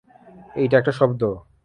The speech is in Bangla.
এটা একটা শব্দ।